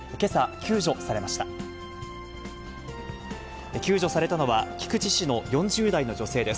救助されたのは、菊池市の４０代の女性です。